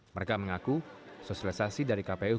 mereka mengaku sosialisasi dari kpu